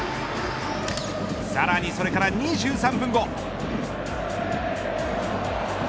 さらにそれから２３分後。